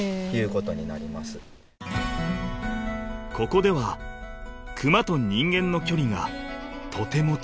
［ここではクマと人間の距離がとても近い］